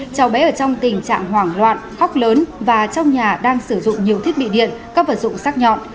cháu bé ở trong tình trạng hoảng loạn khóc lớn và trong nhà đang sử dụng nhiều thiết bị điện các vật dụng sắc nhọn